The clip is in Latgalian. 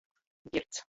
Girts.